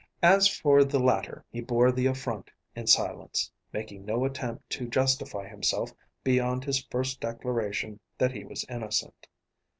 As for the latter, he bore the affront in silence, making no attempt to justify himself beyond his first declaration that he was innocent.